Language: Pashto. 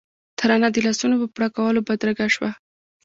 ترانه د لاسونو په پړکولو بدرګه شوه.